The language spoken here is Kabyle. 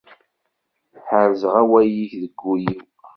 Ḥerrzeɣ awal-ik deg wul-iw.